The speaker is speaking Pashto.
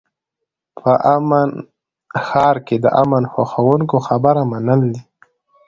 په امن ښار کې د امن خوښوونکو خبره منل دي.